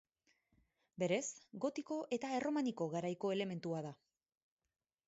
Berez, gotiko eta erromaniko garaiko elementua da.